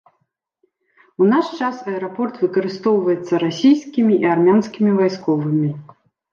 У наш час аэрапорт выкарыстоўваецца расійскімі і армянскімі вайсковымі.